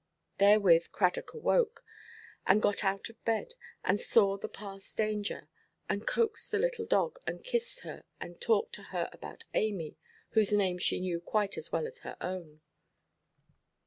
Therewith Cradock awoke, and got out of bed, and saw the past danger, and coaxed the little dog, and kissed her, and talked to her about Amy, whose name she knew quite as well as her own.